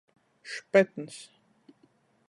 Špetns.